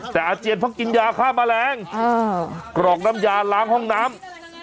แต่อาเจียนเพราะกินยาฆ่าแมลงกรอกน้ำยาล้างห้องน้ำ